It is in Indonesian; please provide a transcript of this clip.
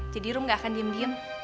jadi rum gak akan diem diem